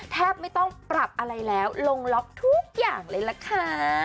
แทบไม่ต้องปรับอะไรแล้วลงล็อกทุกอย่างเลยล่ะค่ะ